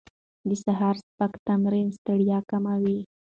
د سهار سپک تمرین ستړیا کموي.